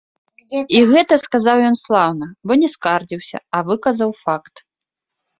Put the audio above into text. І гэта сказаў ён слаўна, бо не скардзіўся, а выказаў факт.